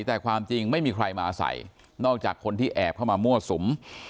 แต่ความจริงไม่มีใครมาอาศัยนอกจากคนที่แอบเข้ามามั่วสุม